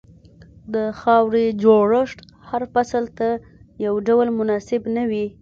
د خاورې جوړښت هر فصل ته یو ډول مناسب نه وي.